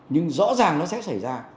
nhưng rõ ràng nó sẽ xảy ra